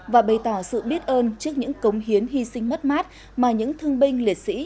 và bày tỏ sự biết ơn trước những cống hiến hy sinh mất mát mà những thương binh liệt sĩ